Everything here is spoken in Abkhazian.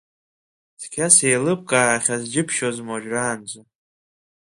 Цқьа сеилыбкаахьаз џьыбшьозма уажәраанӡа?